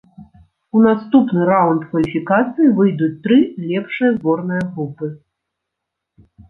У наступны раўнд кваліфікацыі выйдуць тры лепшыя зборныя групы.